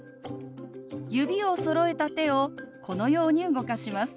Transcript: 指をそろえた手をこのように動かします。